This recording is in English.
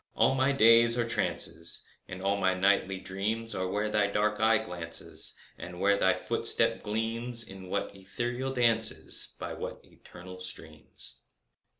And all my days are trances, And all my nightly dreams Are where thy dark eye glances, And where thy footstep gleams— In what ethereal dances, By what eternal streams.